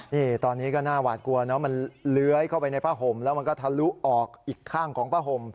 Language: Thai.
นี่ตอนนี้ก็น่าหวาดกลัวเนอะมันเลื้อยเข้าไปในผ้าห่มแล้วมันก็ทะลุออกอีกข้างของผ้าห่ม